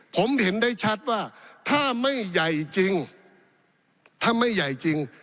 ผมเห็นได้ชัดว่าถ้าไม่ใหญ่จริง